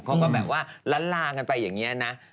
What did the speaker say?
เขาก็แบบว่าล้านลากันไปอย่างนี้นะ